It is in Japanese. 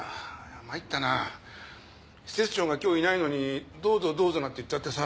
まいったなぁ施設長が今日いないのにどうぞどうぞなんて言っちゃってさ。